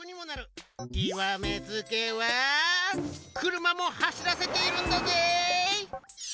極め付きは車も走らせているんだぜ。